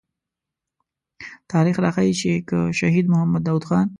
تاريخ راښيي چې که شهيد محمد داود خان.